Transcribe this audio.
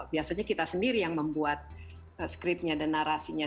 biasanya kita sendiri yang membuat scriptnya dan narasinya